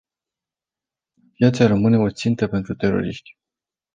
Aviația rămâne o țintă pentru teroriști.